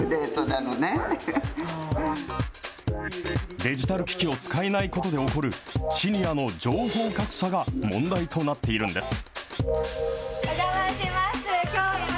デジタル機器を使えないことで起こるシニアの情報格差が問題お邪魔します。